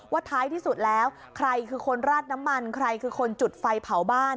ท้ายที่สุดแล้วใครคือคนราดน้ำมันใครคือคนจุดไฟเผาบ้าน